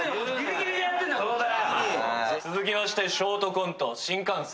続きましてショートコント新幹線。